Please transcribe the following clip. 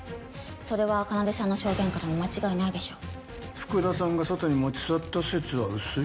それはかなでさんの証言からも間違いないでしょう。